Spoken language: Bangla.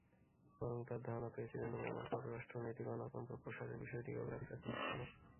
বরং তাঁর ধারণা, প্রেসিডেন্ট ওবামার পররাষ্ট্রনীতি গণতন্ত্র প্রসারের বিষয়টিকে অগ্রাধিকার দিচ্ছে না।